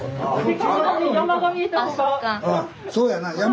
そうやな山。